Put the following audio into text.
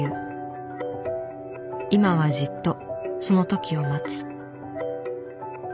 今はじっとその時を待つ。